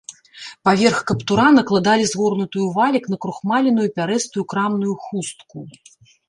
Паверх каптура накладалі згорнутую ў валік накрухмаленую пярэстую крамную хустку.